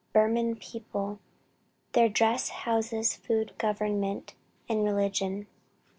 BURMAN PEOPLE. THEIR DRESS, HOUSES, FOOD, GOVERNMENT AND RELIGION.